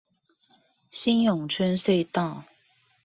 新永春隧道